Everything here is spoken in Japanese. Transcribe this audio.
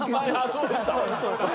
そうでした。